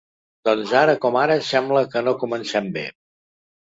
Doncs ara com ara sembla que no comencem bé.